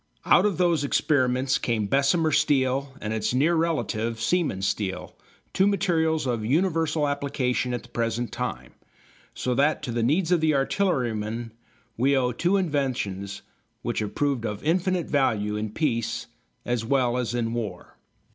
Out of those experiments came Bessemer steel and its near relative, Siemens steel, two materials of universal application at the present time, so that to the needs of the artilleryman we owe two inventions which have proved of infinite value in peace as well as in war.